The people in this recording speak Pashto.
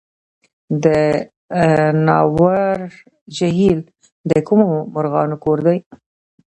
د ناور جهیل د کومو مرغانو کور دی؟